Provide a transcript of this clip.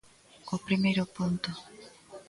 O primeiro punto.